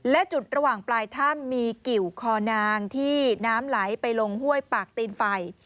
และจุดระหว่างปลายถ้ำมีกิวคอนางที่น้ำไหลไปลงห้วยปากตีนไฟ